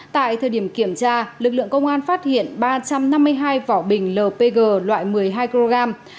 tại thời điểm kiểm tra lực lượng công an phát hiện ba trăm năm mươi hai vỏ bình lpg loại một mươi hai kg